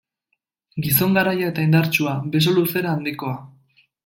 Gizon garaia eta indartsua, beso-luzera handikoa.